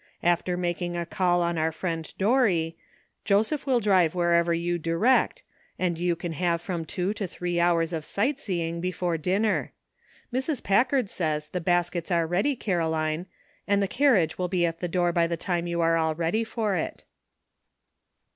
After making a call on our friend Dorry, Joseph will drive wherever you direct, and you can have from two to three hours of sightseeing before dinner. Mrs. Packard says the baskets are ready, Caroline, and the car riage will be at the door by the time you are all ready for it."